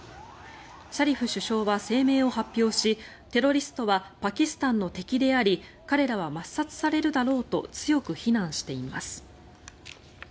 シャリフ首相は声明を発表しテロリストはパキスタンの敵であり彼らは抹殺されるだろうと強く非難しています。